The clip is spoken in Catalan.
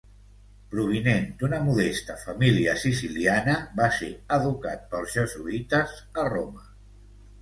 Provinent d'una modesta família siciliana, va ser educat pels jesuïtes a Roma.